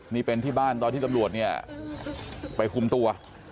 นี่เป็นที่บ้านตอนที่ตำรวจเนี่ยไปคุมตัว